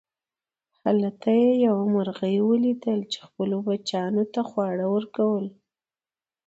هلته یې یوه مرغۍ وليدله چې خپلو بچیانو ته یې خواړه ورکول.